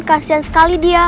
kasian sekali dia